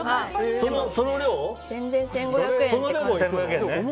その量で１５００円ね。